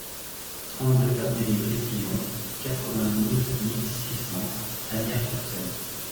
trente-deux avenue des Grésillons, quatre-vingt-douze mille six cents Asnières-sur-Seine